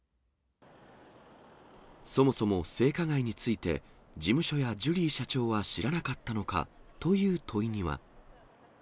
そもそも性加害について、事務所やジュリー社長は知らなかったのかという問いには。